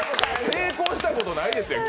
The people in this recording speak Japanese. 成功したことないですよ。